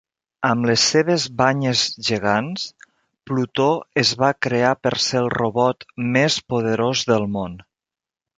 Amb les seves banyes gegants, Plutó es va crear per ser el robot més poderós del món.